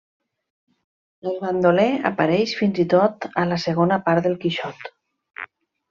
El bandoler apareix fins i tot a la segona part del Quixot.